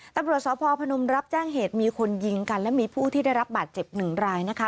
ตำรวจสพพนมรับแจ้งเหตุมีคนยิงกันและมีผู้ที่ได้รับบาดเจ็บหนึ่งรายนะคะ